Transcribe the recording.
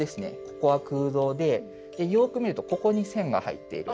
ここは空洞でよく見るとここに線が入っている。